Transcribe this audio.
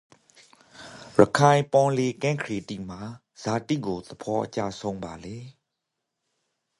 ရခိုင်ပင်လယ်ကမ်းခြေတိမှာဇာတိကို သဘောအကျဆုံးပါလဲ?